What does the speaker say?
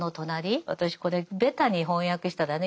私これベタに翻訳したらね